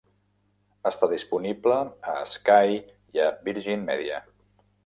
Està disponible a Sky i a Virgin Media.